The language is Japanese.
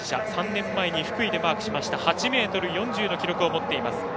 ３年前に福井でマークした８ｍ４０の記録を持っています。